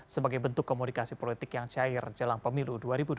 sebagai bentuk komunikasi politik yang cair jelang pemilu dua ribu dua puluh